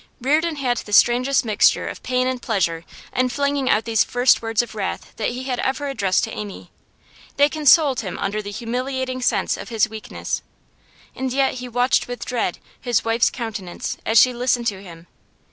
Reardon had the strangest mixture of pain and pleasure in flinging out these first words of wrath that he had ever addressed to Amy; they consoled him under the humiliating sense of his weakness, and yet he watched with dread his wife's countenance as she listened to him.